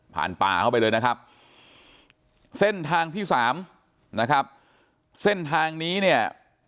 ป่าเข้าไปเลยนะครับเส้นทางที่สามนะครับเส้นทางนี้เนี่ย